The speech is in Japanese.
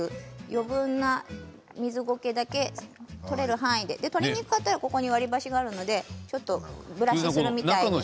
余分な水ゴケだけ取れる範囲で取れにくかったら割り箸があるのでブラシするみたいに。